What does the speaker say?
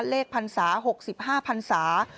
เลขพันศา๖๕พันศา